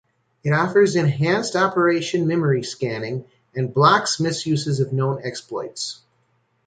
It offers enhanced operation memory scanning and blocks misuses of known exploits.